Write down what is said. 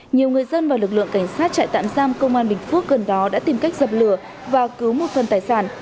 nhiều người dân và lực lượng cảnh sát trại tạm giam công an bình phước gần đó đã tìm cách dập lửa và cứu một phần tài sản